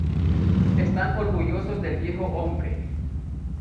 Están orgullosos del viejo hombre.